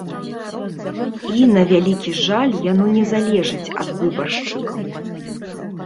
І, на вялікі жаль, яно не залежыць ад выбаршчыкаў.